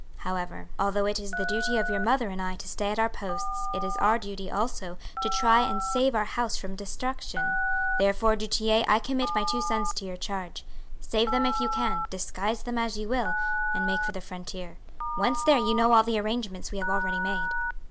However, although it is the duty of your mother and I to stay at our posts, it is our duty also to try and save our house from destruction; therefore, Du Tillet, I commit my two sons to your charge. Save them if you can, disguise them as you will, and make for the frontier. Once there you know all the arrangements we have already made."